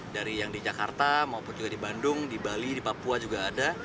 dari yang di jakarta maupun juga di bandung di bali di papua juga ada